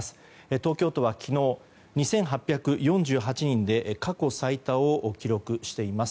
東京都は昨日２８４８人で過去最多を記録しています。